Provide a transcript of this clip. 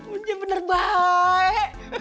menyih benar baik